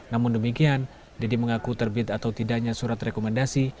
namun demikian deddy mengaku terbit atau tidaknya surat rekomendasi